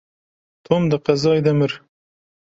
Tom di qezayê de mir.